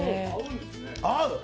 合う！